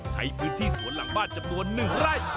ใช้พื้นที่สวนหลังบ้านจำนวน๑ไร่